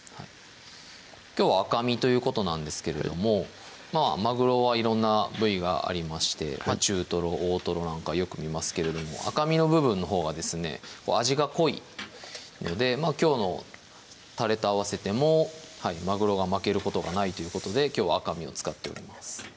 きょうは赤身ということなんですけれどもまぐろは色んな部位がありまして中トロ・大トロなんかよく見ますけれども赤身の部分のほうがですね味が濃いのできょうのたれと合わせてもまぐろが負けることがないということできょうは赤身を使っております